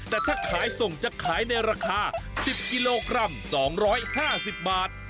แต่ถ้าขายส่งจะขายในราคา๑๐กิโลกรัม๒๕๐บาท